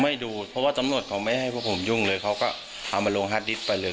ดูเพราะว่าตำรวจเขาไม่ให้พวกผมยุ่งเลยเขาก็เอามาลงฮาร์ดิตไปเลย